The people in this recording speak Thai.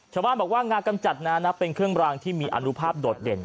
ชาวบ้านบอกว่างากำจัดงานเป็นเครื่องรางที่มีอนุภาพโดดเด่น